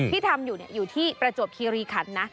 ที่ทำอยู่อยู่ที่ประจวบคีรีคันนะ